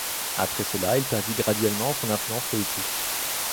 Après cela, il perdit graduellement son influence politique.